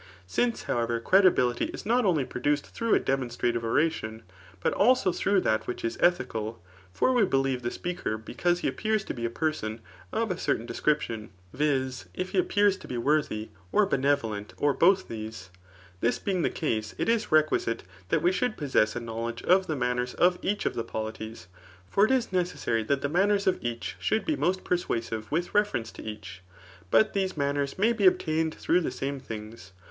Since, however, credibility is not only produced through a demonstrative oration, but also through that which is ethical ; (for we befieve th^ speaker because he appears to be a person of a certain description, viz. if he appears to be worthy, or benevolent, or both these) — this being the case, it is requisite that we should po^^ess a knowledge of the manners of each of the polities; For it is necessary that the manners of each should be most persuasive with referenee to each. But these maa ners may be obtained through the same things.